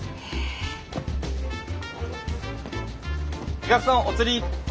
お客さんお釣り。